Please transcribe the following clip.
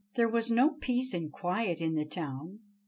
There was no peace and quiet in the town.